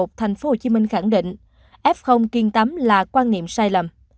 tp hcm khẳng định f kiên tám là quan niệm sai lầm